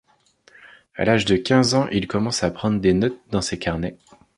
À l'âge de quinze ans, il commence à prendre des notes dans des carnets.